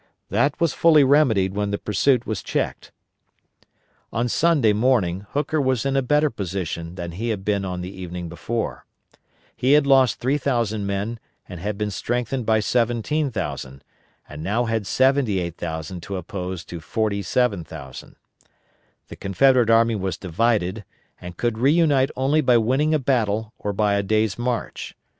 That was fully remedied when the pursuit was checked. On Sunday morning Hooker was in a better position than he had been on the evening before. He had lost 3,000 men and had been strengthened by 17,000, and now had 78,000 to oppose to 47,000. The Confederate army was divided, and could reunite only by winning a battle or by a day's march.